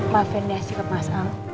maafin ya sikap mas al